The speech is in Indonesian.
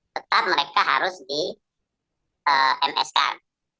tetap mereka harus di ms kan